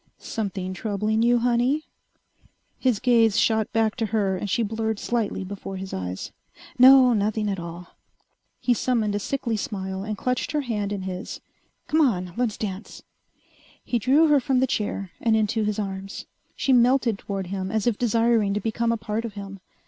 "Something troubling you, honey?" His gaze shot back to her and she blurred slightly before his eyes. "No. Nothing at all!" He summoned a sickly smile and clutched her hand in his. "Come on. Let's dance." He drew her from the chair and into his arms. She melted toward him as if desiring to become a part of him.